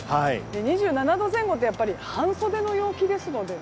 ２７度前後だと半袖の陽気ですのでね。